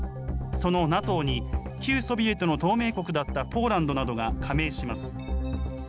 そのＮＡＴＯに、旧ソビエトの同盟国だったポーランドなどが加盟します。